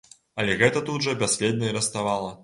Але гэта тут жа бясследна і раставала.